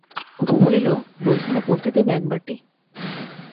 অপু বলিল, বইখানা পড়তে দেবে একবারটি?